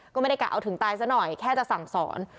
ก็ไม่ได้กะเอาถึงตายซะหน่อยแค่จะสั่งสอน